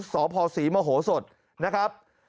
สพศรีมโหสดนะครับ